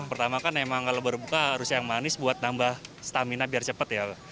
pertama kan emang kalau berbuka harus yang manis buat nambah stamina biar cepet ya